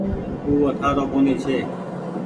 او اُٺآرو ڪونيٚ ڇي۔